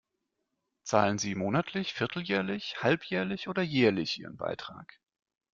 Zahlen sie monatlich, vierteljährlich, halbjährlich oder jährlich ihren Beitrag?